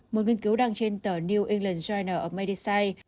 một nghiên cứu đăng trên tờ new england journal of medicine